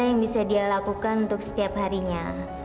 apa yang bisa dia lakukan untuk setiap harinya